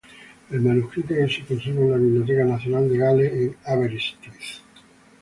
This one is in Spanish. El manuscrito se conserva en la Biblioteca Nacional de Gales, en Aberystwyth.